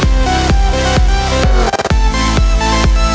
เพลง